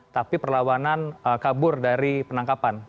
tapi perlawanan kabur dari penangkapan